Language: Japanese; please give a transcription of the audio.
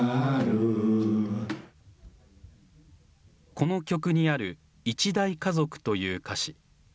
この曲にある、一大家族という歌詞。